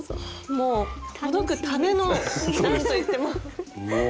もうほどくための何と言っても。